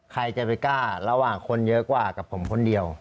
ใครจะไปกล้าระหว่างคนเยอะกว่ากับผมคนเดียว